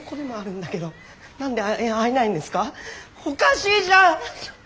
おかしいじゃん！